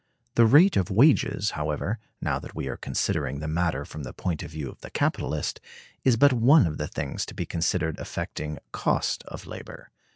The rate of wages, however, now that we are considering the matter from the point of view of the capitalist, is but one of the things to be considered affecting cost of labor.